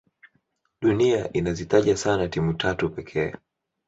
dunia inazitaja sana timu tatu pekee